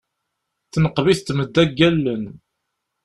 Tenqeb-it tmedda deg allen.